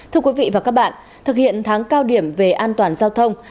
thưa quý vị và các bạn thực hiện tháng cao điểm về an toàn giao thông